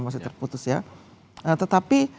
masih terputus ya tetapi